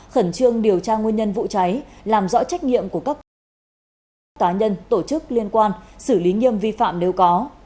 khẩn trương điều tra nguyên nhân vụ cháy làm rõ trách nhiệm của các tài nhân tổ chức liên quan xử lý nghiêm vi phạm nếu có